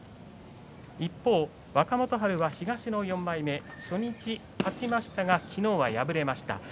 一方、若元春は東の４枚目で初日勝ちましたが昨日敗れました。